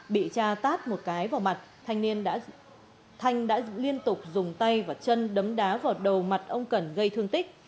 bị cha tát một cái vào mặt thanh đã liên tục dùng tay và chân đấm đá vào đầu mặt ông cẩn gây thương tích